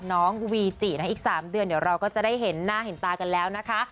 น้องวีจินะอีก๓เดือนเดี๋ยวเราก็จะได้เห็นหน้าเห็นตากันแล้วนะคะ